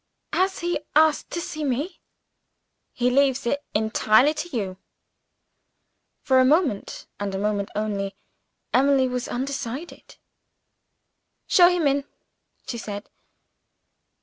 "Has he asked to see me?" "He leaves it entirely to you." For a moment, and a moment only, Emily was undecided. "Show him in," she said.